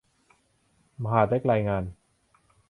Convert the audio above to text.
มหาดเล็กรายงาน